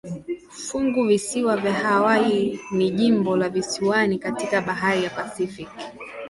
Funguvisiwa ya Hawaii ni jimbo la visiwani katika bahari ya Pasifiki.